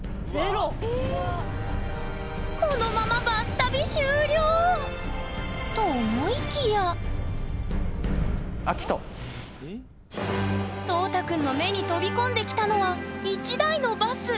このままと思いきや蒼太くんの目に飛び込んできたのは１台のバス。